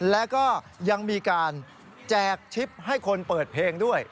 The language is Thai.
แล้วก็ยังมีการแจกชิปให้คนเปิดเพลงด้วย